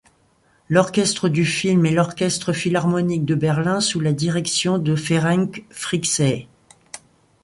L'orchestre du film est l'Orchestre philharmonique de Berlin sous le direction de Ferenc Fricsay.